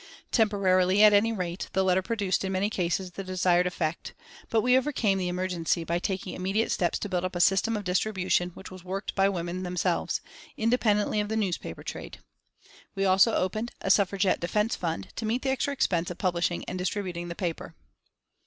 Temporarily, at any rate, the letter produced in many cases the desired effect, but we overcame the emergency by taking immediate steps to build up a system of distribution which was worked by women themselves, independently of the newspaper trade. We also opened a "Suffragette Defence Fund," to meet the extra expense of publishing and distributing the paper.